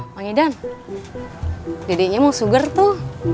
bang idan dede mau sugar tuh